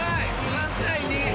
３対２。